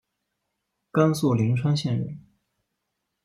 甘肃灵川县人。